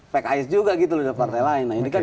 pks juga gitu loh dari partai lain nah ini kan